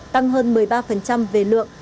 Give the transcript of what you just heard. tăng hơn một mươi ba về lượng